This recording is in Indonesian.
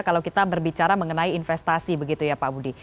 kalau kita berbicara mengenai investasi begitu ya pak budi